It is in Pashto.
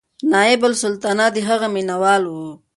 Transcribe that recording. نایبالسلطنه د هغې مینهوال و.